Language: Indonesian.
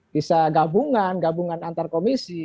bisa gabungan gabungan antar komisi